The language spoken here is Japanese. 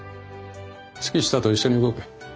月下と一緒に動け。